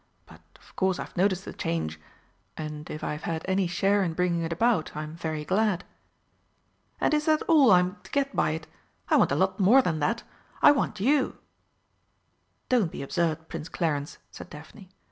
But of course I've noticed the change, and if I've had any share in bringing it about, I'm very glad." "And is that all I'm to get by it? I want a lot more than that. I want you!" "Don't be absurd, Prince Clarence," said Daphne.